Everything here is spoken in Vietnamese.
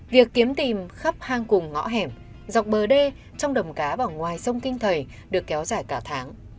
việc kiếm tìm khắp hang cùng ngõ hẻm dọc bờ đê trong đầm cá và ngoài sông kinh thầy được kéo dài cả tháng